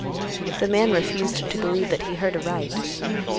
The man refused to believe that he heard aright.